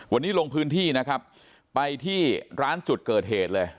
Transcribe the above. วันนี้ลงพื้นที่นะครับไปที่ร้านจุดเกิดเหตุเลย